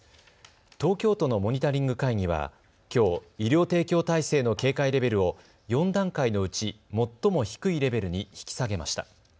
東京都のモニタリング会議はきょう医療提供体制の警戒レベルを４段階のうち最も低いレベルに引き下げました。